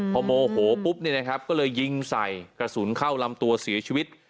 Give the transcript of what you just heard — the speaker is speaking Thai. พอโมโหปุ๊บเนี่ยนะครับก็เลยยิงใส่กระสุนเข้าลำตัวเสียชีวิต